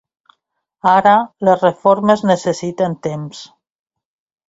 Ara, les reformes necessiten temps.